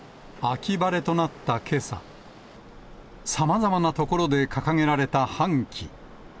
秋晴れとなったけさ、さまざまな所で掲げられた半旗。